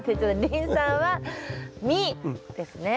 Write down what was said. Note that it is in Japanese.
リン酸は実ですね。